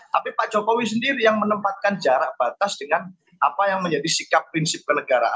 tapi pak jokowi sendiri yang menempatkan jarak batas dengan apa yang menjadi sikap prinsip kenegaraan